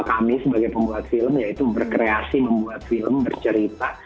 kami sebagai pembuat film yaitu berkreasi membuat film bercerita